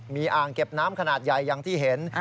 มีอ่างเก็บน้ำขนาดใหญ่อย่างที่เห็น